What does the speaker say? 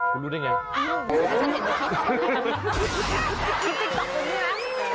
คุณรู้ได้ไงไม่รู้ไม่รู้